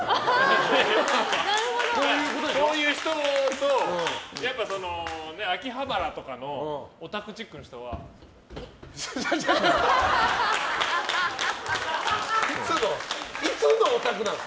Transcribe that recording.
そういう人と秋葉原とかのオタクチックな人はいつのオタクなの？